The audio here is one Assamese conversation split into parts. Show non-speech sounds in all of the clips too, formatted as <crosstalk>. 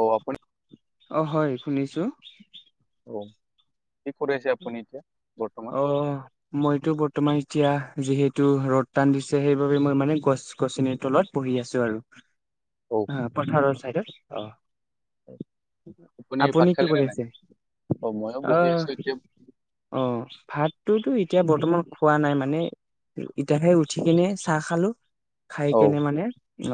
অ আপুনি অ হয় শুনিছো অ কি কৰি আছে আপুনি এতিয়া বৰ্তমান? অ মইতো বৰ্তমান এতিয়া যিহেতু ৰ'দ টান দিছে সেইবাবে মই মানে গছ গছনিৰ তলত বহি আছো আৰু অ পথাৰৰ চাইড ত অ ভাত আপুনি খালে কি নে কৰি নাই? আছে অ মইয়ো বহি আছো আহ? এতিয়া অ ভাতটোতো এতিয়া বৰ্তমান খোৱা নাই মানে ইত খাই উঠি কেনে চাহ খালো <unintelligible> খাই অ কেনে মানে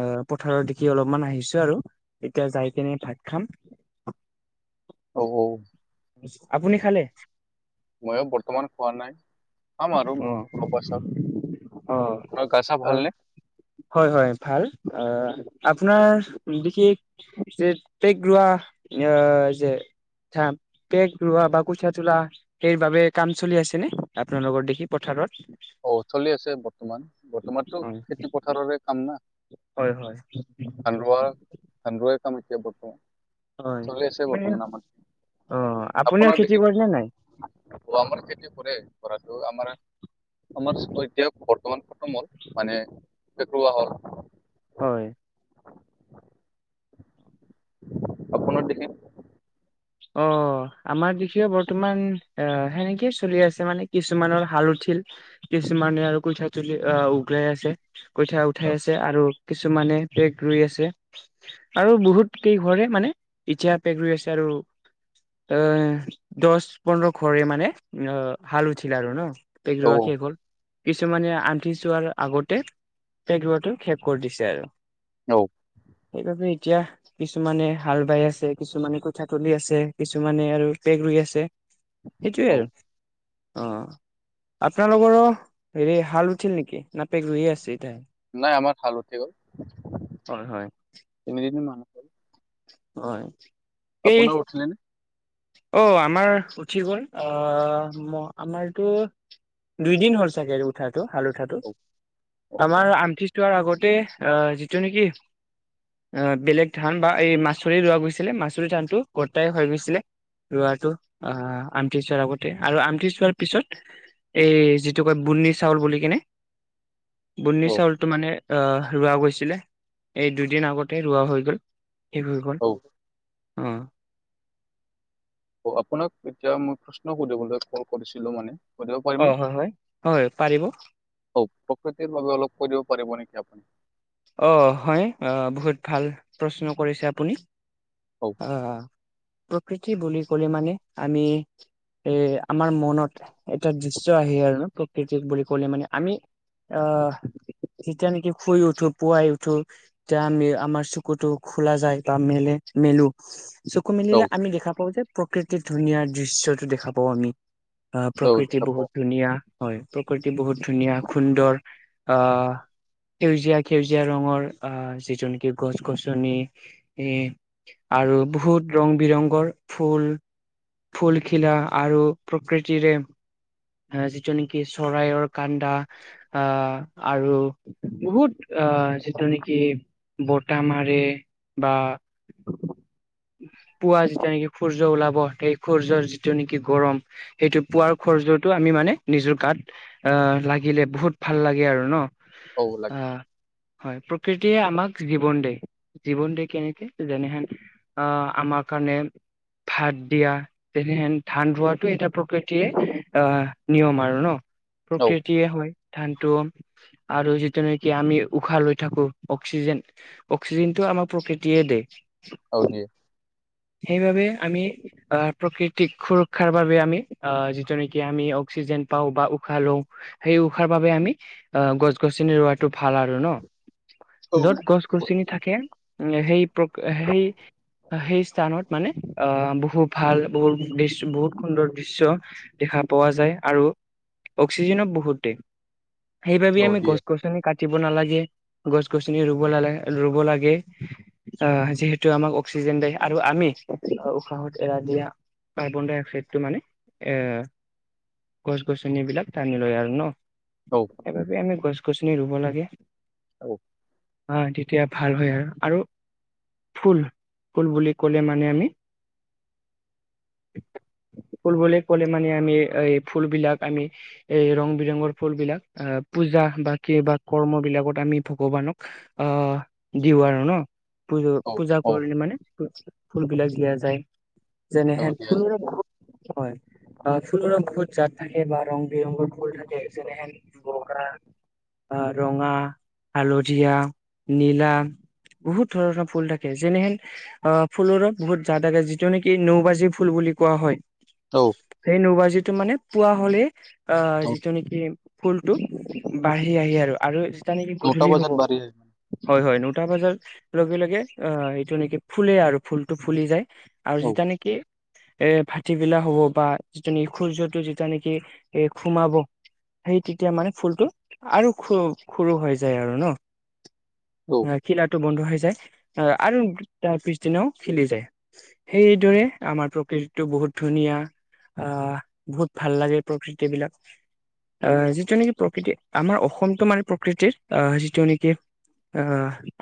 অ পথাৰত দেখি অলপমান আহিছো আৰু এতিয়া যাই কেনে ভাত খাম <unintelligible> <inaudible> অ আপুনি খালে ময়ো বৰ্তমান খোৱা নাই। খাম আৰু অ মই অলপ পাছত, অ তমাৰ গা চা অ ভালনে? <unintelligible> হয় হয় ভাল অ আপোনাৰ বিশেষ যে পেগ ৰোৱা আহ যে <unintelligible> হা পেক ৰোৱা বা কুঠিয়া তোলা সেই বাবে কাম চলি আছে নে আপোনাৰ লগৰ দেখি পথাৰত <unintelligible> অ চলি আছে বৰ্তমান বৰ্তমানটো হয় খেতি পথাৰৰে কাম না হয় হয়। ধান ৰোৱা, ধান দুৱাই কাম বৰ্তমান হয়। চলি আছে আপুনি বৰ্তমান আমাৰ, অ আপুনিও আপোনাক খেতি দেখি কৰে নে নাই? মাৰ খেতি কৰে কৰাটো আমাৰ <unintelligible> আমাৰ ঐতিহাস <unintelligible> বৰ্তমান খতম হ'ল মানে ফেকৱা হল হয় আপোনাৰ দেখে অ আমাৰ দেখি বৰ্তমান অ সেনেকেই চলি আছে মানে কিছুমানৰ হালধি কিছুমানে আৰু কঠীয়া তুলি আহ উগৰাই আছে কঠীয়া অ উঠাই আছে আৰু কিছুমানে পেক ৰুই আছে আৰু বহুত কেই ঘৰে মানে এতিয়া পেক ৰুই আছে আৰু এ দহ পোন্ধৰ ঘৰে মানে অ হালুছিল আৰু ন পেগ অ ৰোৱা শেষ হল। কিছুমানে আন্ধি চোৱাৰ আগতে পেগ্ ৰোৱাতো শেষ কৰি দিছে আৰু। অ। সেইবাবে এতিয়া কিছুমানে হাল বাই আছে, কিছুমানে কঠিয়া তুলি আছে। কিছুমানে আৰু পেক ৰুই আছে সেইটোৱে অ আৰু। অ আপোনালোকৰো হেৰি হাল উঠিল নেকি না পেক ৰুইয়ে আছে? এতিয়া নাই আমাৰ হাল উঠি গ'ল। হয় হয় তিনিজনি মানুহ হয়। এই আপোনাৰ উছিলে নে? অ আমাৰ উঠি গ'ল। আহ আমাৰতো দুইদিন হ'ল চাগে উঠাটো হাল উঠাটো অ', অ', অ', আমাৰ আমঠিচোৱাৰ আগত তে যিটো নেকি আহ বেলেগ ধান বা এই মাচুৰি ৰোৱা গৈছিলে মাচুৰি ধানটো গটাই হৈ গৈছিলে। ৰোৱাটো আহ আঠি চোৱাৰ আগতে আৰু আঠি চোৱাৰ পিছত। <unintelligible> এই যিটো কয় বিন্নী চাউল বুলি কিনে। বিন্নি অ চাউলটো মানে আহ ৰোৱা গৈছিলে, এই দুদিন আগতে ৰোৱা হৈ গ'ল। শেষ হৈ গ'ল অ অঁহ। অ আপোনাক এতিয়া মই প্ৰশ্ন সুধিবলৈ কল কৰিছিলো মানে। কৰিব পাৰিম অ নে? হয় হয় হয় পাৰিব প্ৰকৃতিৰ বাবে অলপ কৈ দিব পাৰিব নেকি? <unintelligible> অ হয় আহ বহুত ভাল প্ৰশ্ন কৰিছে আপুনি। অ', আহ প্ৰকৃতি বুলি ক'লে মানে আমি। এ আমাৰ মনত এটা দৃশ্য আহে আৰু প্ৰকৃতি বুলি কলে মানে আমি অ যেতিয়া নেকি শুই উঠো। পুৱাই উঠো যে আমি আমাৰ চুকুটো খোলা যায় বা মে মেলো। চকু মেলিলে অ', আমি দেখা পাওঁ যে প্ৰকৃতিৰ ধুনীয়াৰ দৃশ্যটো দেখা পাওঁ আমি। অ প্ৰকৃতি দেখা বহুত পাওঁ ধুনীয়া হয় প্ৰকৃতি বহুত ধুনীয়া সুন্দৰ। অ সেউজীয়া -। সেউজীয়া ৰঙৰ আহ যি যেনেকে গছ গছনি এ। আৰু বহুত। ৰং বিৰংগৰ ফুল ফুলখিলা আৰু প্ৰকৃতিৰে। যিটো নেকি চৰাইৰ কান্দা আহ আৰু বহুত-। - আহ যিটো নেকি বতাহ মাৰে বা। পুৱা যেতিয়া নেকি সূৰ্য ওলাব সেই সূৰ্যৰ যিটো নেকি গৰম। সেইটো পোৱাৰ সূৰ্যতো আমি মানে নিজৰ গাত আহ লাগিলে বহুত ভাল লাগে আৰু ন? অ লাগে। আহ হয় প্ৰকৃতিয়ে আমাক জীৱন দিয়ে জীৱন দিয়ে কেনেকে যেনেহেন আহ আমাৰ। কাৰণে। ভাত দিয়া তেনেহেন ধান ৰোৱাটো এটা প্ৰকৃতিয়ে আহ নিয়ম আৰু ন। অ', প্ৰকৃতিয়ে হয় ধানটো আৰু যিটো নেকি আমি। উশাহ লৈ থাকো অক্সিজেন অক্সিজেনটো আমাৰ প্ৰকৃতিয়ে দিয়ে। অ দিয়ে। সেইবাবে আমি অ প্ৰাকৃতিক সুৰক্ষাৰ বাবে আমি অ যিটো নেকি আমি অক্সিজেন। পাওঁ বা উশাহ লওঁ সেই উশাৰ বাবে আমি অ গছ গছনি ৰোৱাটো ভাল আৰু। ন যত অ', গছ গছনি থাকে সেই সেই। সেই স্থানত মানে আহ বহুত ভাল বহুত দৃশ্য বহুত সুন্দৰ দৃশ্য দেখা। পোৱা যায় আৰু অক্সিজেনো বহুত দিয়ে, সেইবাবে অ', আমি দিয়ে গছ গছনি কাটিব। নালাগে। গছ গছনি ৰুব লাগে ৰুব লাগে। আহ যিহেতু আমাক অক্সিজেন দিয়ে আৰু আমি উশাহত এৰা দিয়া কাৰ্বন ডাই অক্সাইডটো মানে এ গছ গছনিবলাক টানি লয় আৰু ন। অ', সেইবাবে আমি গছ গছনি ৰুব লাগে। অ', তেতিয়া ভাল হয় আৰু, আৰু ফুল ফুল বুলি ক'লে মানে আমি <inaudible> ফুল বুলি ক'লে মানে আমি এই ফুলবেলাক আমি এই ৰং বিৰঙৰ ফুল বিলাক আ পূজা বা কিবা কৰ্ম বিলাকত আমি ভগৱানক আহ দিওঁ আৰু ন পূজ অ', পূজা অ', কৰিলে মানে ফুলবিলাক দিয়া যায় যেনে অ', হেন দিয়া যায় হয় অ ফুলবিলাকৰ বহুত জাত থাকে বা ৰং বিৰংগৰ ফুল থাকে যেনেহেন বগা <inaudible> অহ ৰঙা, হালধীয়া, নীলা বহুত ধৰণৰ ফুল থাকে যেনেহেন অ ফুলত বহুত জাত যিটো নেকি নৌবাজি ফুল বুলি। বুলি কোৱা হয় অ', সেই নৌবাজিটো মানে পুৱা হলে আহ অ', যিটো নেকি। ফুলটো বাঢ়ি আহে আৰু আৰু যেতিয়া নেকি নটা গধূলি হ'ব। বজাত বাঢ়ি আহে হয় হয় নটা বজাৰ লগে লগে এইটো নেকি ফুলে আৰু ফুলটো ফুলি যায়। আৰু অ', যেতিয়া নেকি। এহ ভাটিবিলা হব বা যিটো নেকি সূৰ্যটো যেতিয়া নেকি এ সোমাব। সেই তেতিয়া মানে ফুলটো। আৰু খ খুৰু হৈ যায় আৰু অ', অ', ন খিলাতো বন্ধ হৈ যায় আৰু তাৰ পিছদিনাও খিলি যায় সেইদৰে আমাৰ প্ৰকৃতিটো বহুত বহুত ধুনীয়া আহ বহুত ভাল লাগে প্ৰকৃতি বিলাক আহ যিটো নেকি প্ৰকৃতি আমাৰ অসমটো মানে প্ৰকৃতিৰ আহ যিটো নেকি অ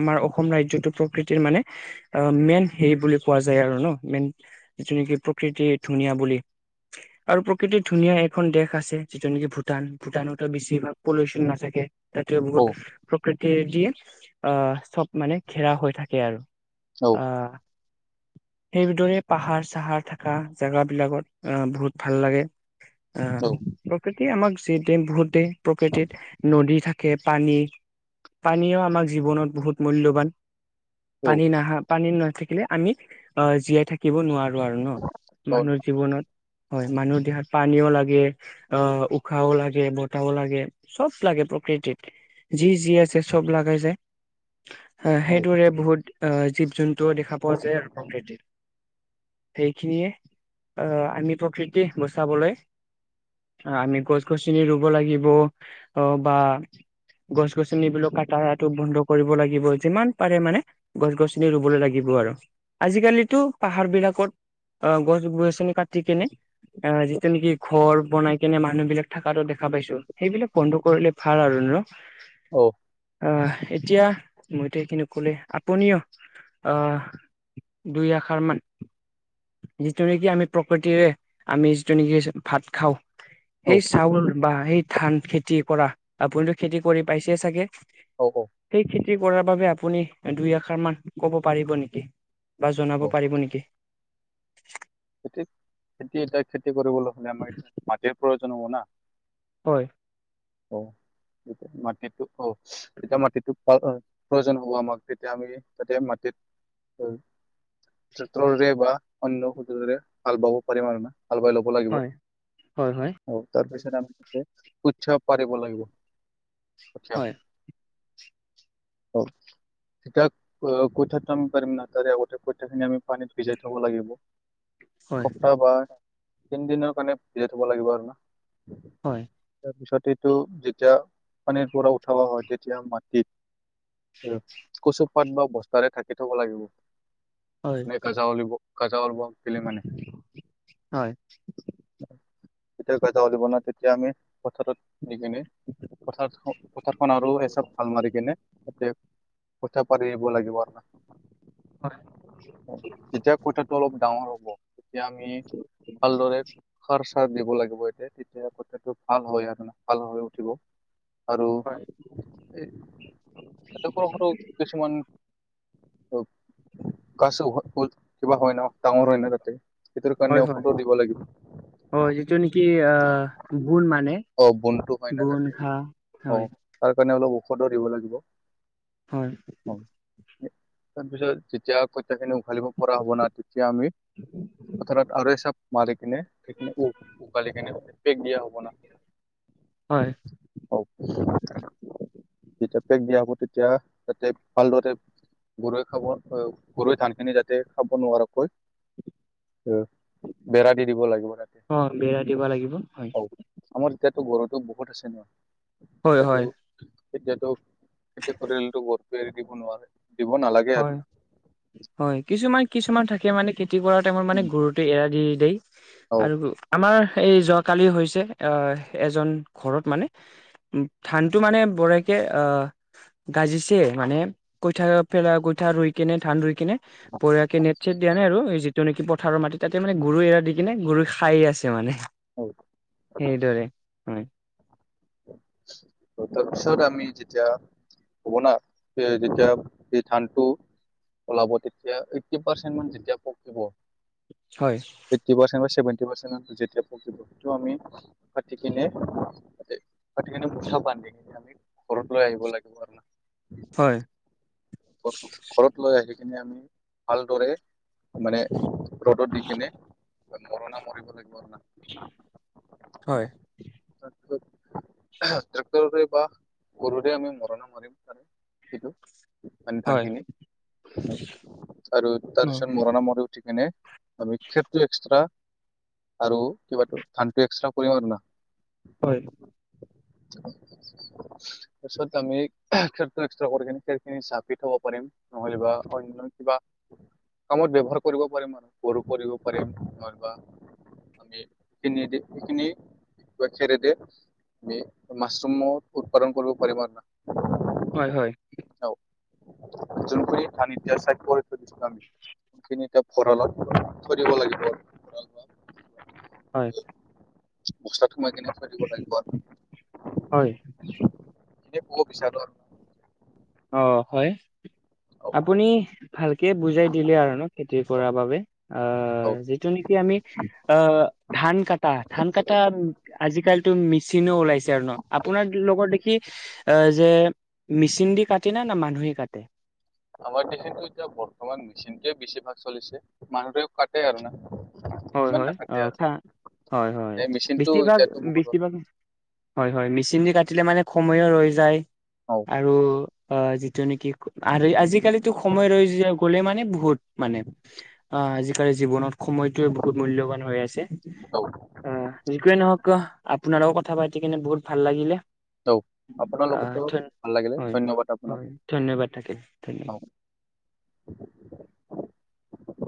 আমাৰ অসম ৰাজ্যতো প্ৰকৃতিৰ মানে অ মেইন হেৰি বুলি কোৱা যায় আৰু ন মেন যিটো নেকি প্ৰকৃতিৰ ধুনীয়া বুলি আৰু প্ৰকৃতিৰ ধুনীয়া এখন দেশ আছে যিটো নেকি ভূটান ভূটানতো বেছিভাগ পলিউশন নাথাকে ততে অ', বহুত প্ৰকৃতি দিয়ে আহ চব মানে ঘেৰা হৈ থাকে আৰু আহ সেইদৰে পাহাৰ চাহাৰ থকা জেগা বিলাকত আহ বহুত ভাল লাগে অ', অ', আহ অ', প্ৰকৃতিয়ে আমাক যি দিয়ে বহুত দিয়ে প্ৰকৃতিত নদী থাকে পানী পানীও আমাৰ জীৱনত বহুত মুল্যবান অ', অ', পানী নাহা পানী নাথাকিলে আমি অ জীয়াই থাকিব নোৱাৰো আৰু ন মানুহৰ জীৱনত হয় মানুহ দেহাত পানীও লাগে, অ উশাহও লাগে, বতাহও লাগে চব লাগে প্ৰকৃতিত যি যি আছে চব লাগাই যায় সেইদৰে বহুত আহ জীৱ- জন্তু দেখা পোৱা যায় আৰু প্ৰকৃতিত সেইখিনিয়ে আহ আমি প্ৰকৃতি বচাবলৈ অ আমি গছ গছনি ৰুব লাগিব অ বা গছ-গছনি বো কটাটো বন্ধ কৰিব লাগিব যিমান পাৰে মানে গছ-গছনি ৰুবলে লাগিব আৰু আজিকালিতো পাহাৰ বিলাকত অ গছ -গছনি কাটি কেনে অ যিটো নেকি ঘৰ বনাই কেনে মানুহ বিলাক থকাতো দেখা পাইছোঁ সেইবিলাক বন্ধ কৰিলে ভাল আৰু ন অ', অ এতিয়া মইতো এইকিনিকলে আপুনিও আহ <unintelligible> দুই আখাৰমান যিটো নেকি আমি প্ৰকৃতিৰে আমি যিটো নেকি ভাত খাওঁ সেই অ', চাউল বা সেই ধান খেতি কৰা আপুটো খেতি কৰি পাইছে চাগে অ', সেই খেতি কৰাৰ বাবে আপুনি দুইআষাৰ মান কব পাৰিব নেকি বা জনাব অ পাৰিব নেকি খেতি খেতি এ খেতি কৰিবলৈ হ'লে আমাৰ মাতিৰ প্ৰয়োজন হ'ব না হয় অ মাটিটো আহ তেতিয়া মাটিটো প্ৰয়োজন হ'ব আমাক তেতিয়া আমি তেতিয়া মাটিত তে তৰে বা অন্য সুযোগেৰে হাল বাব পাৰিম আৰু, না হাল বাই ল'ব লাগিব। হয় হয় হয় অ তাৰপিছত উৎসব পাৰিব লাগিব <inaudible> হয় অ। এতিয়া কঠীয়াটো আমি পাৰিম না তাৰে আগতে কঠীয়াখিনি আমি পানীত ভিজাই থব লাগিব। হয় এসপ্তাহ বা তিনিদিনৰ কাৰণে ভিজাই থ'ব লাগিব আৰু। হয়। তাৰ পিছতেটো যেতিয়া পানীৰ পৰা উঠাব হয় তেতিয়া মাটিত কচুপাত বা বস্তাৰে ঢাকি থব লাগিব। হয় <unintelligible> হয় তেতিয়া যেতিয়া আমি পথাৰটো সেই কেনে পথাৰ পথাৰখন আৰু এছাপ ভাল মাৰি কিনে তেতিয়া ক পাৰিব লাগিব হয় তেতিয়া কঁঠালটো অলপ ডাঙৰ হ'ব এতিয়া আমি ভালদৰে সাৰ চাৰ দিব লাগিব তেতিয়া কঠিয়াটো ভাল হয় আৰুে ভাল হৈ উঠিব আৰু হয় এইটো সৰু সৰু কিছুমান গছ কিবা হয় ন ডাঙৰ হয় ন তাতে। সেইটোৰ কাৰণে কটো দিব লাগিব অ যিটো নেকি অ গুণ মানে অ বনটো হয় ন গুণ তাতে ঘাঁহ অ হয় তাৰ কাৰণে অলপ ঔষধো দিব লাগিব। হয়। অ তাৰপিছত যেতিয়া কঠিয়াখিনি উঘালিব পৰা হ'ব না তেতিয়া আমি পথাৰত আৰু এই চাপ মাৰি কিনে সেইখিনি উঘালী কিনে পেক দিয়া হ'ব না হয় <unintelligible> <inaudible> দিয়া হব তেতিয়া তাতে ভালদৰে গৰৈ খাব গৰৈ ধানখিনি যাতে খাব নোৱাৰাকৈ বেৰা দি দিব লাগিব তাতে হয় বেৰা দিব লাগিব হয় আমাৰ এতিয়াতো গৰুতো বহুত আছে ন? হয় হয়। তেতিয়াতো এতিয়া পৰিয়ালতো বৰ্ত এৰি দিব নোৱাৰে। দিব নালাগে আৰু হয় হয় কিছুমান কিছুমান থাকে মানে কৰা টাইমত মানে গৰুটো এৰা দি দেই। আৰু আমাৰ এই যোৱাকালি হৈছে আ এজন ঘৰত মানে উ ধানতো মানে বৰাইকে অ গাজিছে মানে কই থাক ফেলা গুঠা ৰই কেনে ধান ৰুই কেনে বঢ়িয়াকে নেট চেট দিয়া নাই আৰু তেনেক পথাৰৰ মাটি মানে গৰু এৰা দি কিনে গৰু খাই আছে। মানে হওক সেইদৰে হয় তাৰপিছত আমি যেতিয়া হব ন যেতিয়া ধানটো ওলাব, তেতিয়া এইটি পাৰ্চেন্ট মান যেতিয়া পকিব হয় এইট্টি পাৰ্চেন্ত বা চেৱেণ্টি পাৰ্চেন্ত যেতিয়া পকিব, আমি পাতি কিনে পাতি কিনে মুঠা বান্ধি কিনে আমি ঘৰত লৈ আহিব লাগিব আৰু। হয় ঘৰত লৈ আহি দি কিনে আমি ভালদৰে মানে ৰ'দত দি কিনে মৰণা মৰিব লাগিব। হয়। ট্ৰেক্টৰৰে বা গৰুৰে আমি মৰণা মাৰিম কিন্তু মানে ধান হয় খিনি আৰু তাৰপিছত মৰণা মাৰি উঠি কিনে আমি খেটো এক্সট্ৰা আৰু কিবাটো ধানটো একস্ৰা কৰিম আৰু না <unintelligible> হয় তাৰপিছত আমি খেৰটো একস্ৰা কৰি কি খেৰ খিনি চাপ দি থব পাৰিম নহলে বা অন্য কিবা কামত ব্যৱহাৰ কৰিব পাৰিম আৰু গৌৰৱ কৰিব পাৰিম নাইবা নি এইখিনি দি এইখিনি খেৰে দিয় দি মাছৰুম উৎপাদন কৰিব পাৰিবা আৰু ন হয় হয় জোনপুৰী থান ইতিয়া চাইব প থৈ দিছিলো আমি <unintelligible> খিনি এতিয়া ভঁৰালত থৈ দিব লাগিব আৰু ভঁৰাল হয় বস্তাত সোমাই কেনে থৈ দিব লাগিব আৰু। হয়। এ ক'ব বিছাৰো আৰু অ হয়। <unintelligible> আপুনি ভালকে বুজাই দিলে আৰু ন খেতি কৰা বাবে আহ যিটো নেকি আমি আহ ধান কটা ধান কটা আজিকাল মেচিন ওলাইছে আৰু ন আপোনাৰ লগত দেখি অহ যে মেচিন দি কাট। কটৈ না মানুহে কাটে। আমাৰ দেখেতেতো এতিয়া বৰ্তমান মেচিনটোৱে বেছিভাগ চলিছে মানুহটোও কাটে আৰু ন হয় হয় অহ খা হয় হয় নে মেচিনটো বেছিভাগ এতিয়াতো বহুত বেছিভাগ হয় হয় মেচিন কাটি কাটিলে মানে সময়ো ৰৈ যায় হ'ল আৰু অহ যিটো নেকি আজি আজিকালিতো সময় ৰৈ যায় গ'লে মানে বহুত মানে অহ আজিকালি জীৱনত সময় এইটোয়ে বহুত মূল্যবান হৈ আছে অহ যি কি নহওক ক আপোনাৰ লগত কথা পাতি কিনে বহুত ভাল লাগিলে তৌ আহ আপোনালোকতো ধন ভাল লাগিলে হয় ধন্যবাদ আপোনোক। হয় ধন্যবাদ থাকিল ধন্যবাদ <unintelligible>